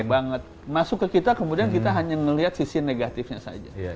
banget masuk ke kita kemudian kita hanya melihat sisi negatifnya saja